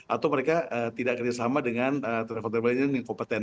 atau mereka tidak kerjasama dengan travel travel yang kompeten